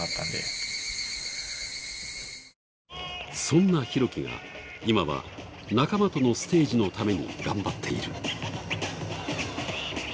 そんな、ひろきが今は仲間とのステージのために頑張っている。